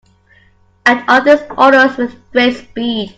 Act on these orders with great speed.